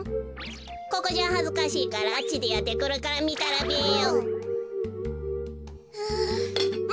ここじゃはずかしいからあっちでやってくるからみたらべよ。